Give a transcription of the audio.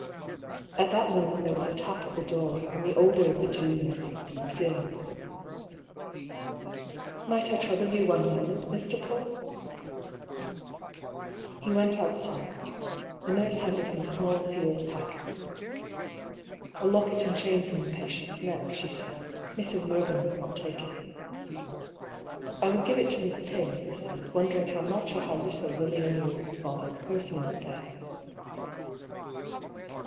At that moment there was a tap at the door, and the older of the two nurses peeped in. THE LOCKET. 117 " Might I trouble you one moment, Mr. Paull ?*' He went outside. The nurse handed him a small sealed packet " A locket and chain from the patient's neck," she said. " Mrs. Mervyn would not take it." " I will give it to Miss Pym," he said, wondering how much or how little Lilia knew of her father's per sonal affairs.